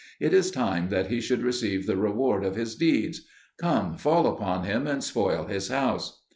It is time that he should receive the reward of his deeds. Come, fall upon him and spoil his house."